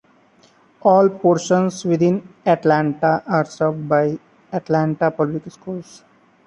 All portions within Atlanta are served by Atlanta Public Schools.